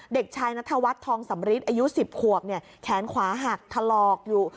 เด็กชายนัทวัฒน์ทองสำริทอายุ๑๐ขวบเนี่ยแขนขวาหักถลอกอยู่